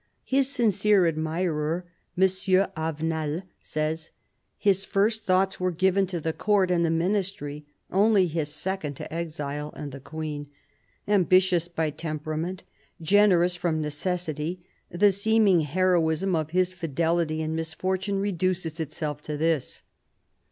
His sincere admirer, M. Avenel, says, " His first thoughts were given to the Court and the Ministry ; only his second to exile and the Queen : ambitious by temperament, generous from necessity, the seeming heroism of his fidelity in misfortune reduces itself to this."